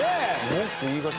文句言いがち。